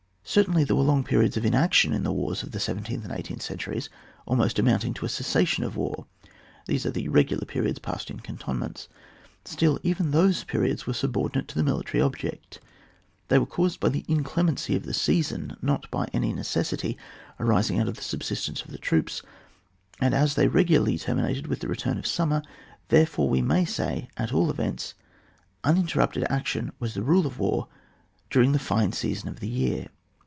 Certainly there were long periods of inaction in the wars of the seventeenth and eighteenth centuries, al most amounting to a cessation of war; these are the regular periods passed in cantonments; still even those periods were subordinate to the military object ; they were caused by the inclemency of the season, not by any necessity arising out of the subsistence of the troops, and as they regularly terminated with the return of summer, therefore we may eay at fiJl events uninterrupted action was the rule of war during the fine season of the year.